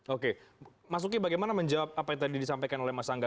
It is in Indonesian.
oke mas uki bagaimana menjawab apa yang tadi disampaikan oleh mas angga